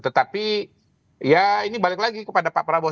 tetapi ya ini balik lagi kepada pak prabowo